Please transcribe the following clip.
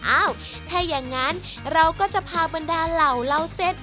อ้าวถ้าอย่างนั้นเราก็จะพาบรรดาเหล่าเล่าเส้น